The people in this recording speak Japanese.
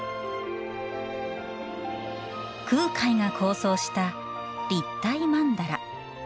空海が構想した立体曼荼羅。